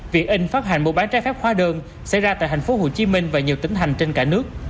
viện in phát hành mua bán trái phép hóa đơn xảy ra tại tp hồ chí minh và nhiều tỉnh hành trên cả nước